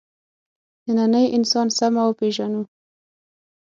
نننی انسان سمه وپېژنو.